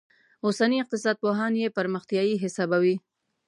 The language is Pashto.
اوسني اقتصاد پوهان یې پرمختیايي حسابوي.